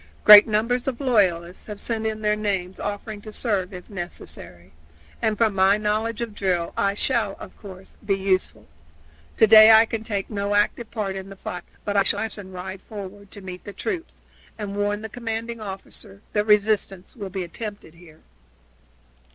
Great numbers of loyalists have sent in their names offering to serve if necessary, and from my knowledge of drill I shall, of course, be useful. To day I can take no active part in the fight, but I shall take my horse and ride forward to meet the troops and warn the commanding officer that resistance will be attempted here."